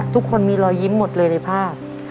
ทุกคนมีรอยยิ้มหมดเลยในภาพ